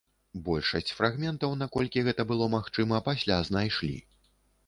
Большасць фрагментаў, наколькі гэта было магчыма, пасля знайшлі.